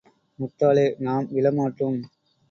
முட்டாளே, நாம் விழமாட்டோம்.